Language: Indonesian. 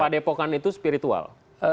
pak depokan itu spiritual